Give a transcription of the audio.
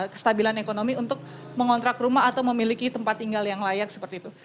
kestabilan ekonomi untuk mengontrak rumah atau memiliki tempat tinggal yang layak seperti itu